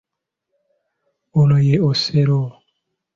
Ono ye Osero.